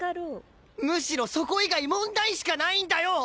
むしろそこ以外問題しかないんだよ！